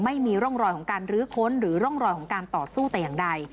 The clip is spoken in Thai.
ไม่มีร่องรอยของการรื้อค้นหรือร่องรอยของการต่อสู้แต่อย่างใด